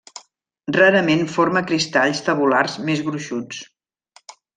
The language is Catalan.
Rarament forma cristalls tabulars més gruixuts.